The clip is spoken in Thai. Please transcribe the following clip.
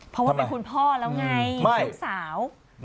เพราะว่าเป็นคุณพ่อแล้วไงมีลูกสาว